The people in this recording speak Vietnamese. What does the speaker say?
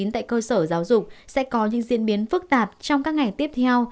tại cơ sở giáo dục sẽ có những diễn biến phức tạp trong các ngày tiếp theo